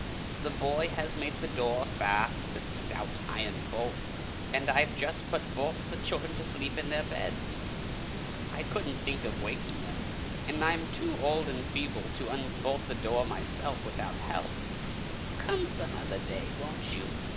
The boy has made the door fast with its stout iron bolts, and I have just put both the children to sleep in their beds. I could n't think of waking them, and I am too old and feeble myself to unbolt the 148 Fairy Tale Bears door without help. Come some other day, won't you?"